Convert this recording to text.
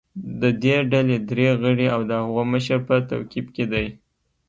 د دې ډلې درې غړي او د هغو مشر په توقیف کې دي